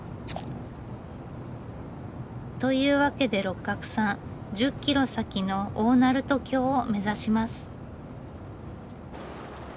というわけで六角さん１０キロ先の大鳴門橋を目指します。